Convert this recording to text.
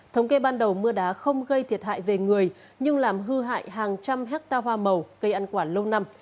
thống kê ban đầu mưa đá không gây thiệt hại về người nhưng làm hư hại hàng trăm hecta hoa màu cây ăn quả lâu năm